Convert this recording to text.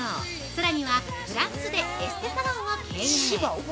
さらには、フランスでエステサロンを経営。